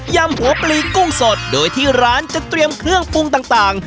ำหัวปลีกุ้งสดโดยที่ร้านจะเตรียมเครื่องปรุงต่าง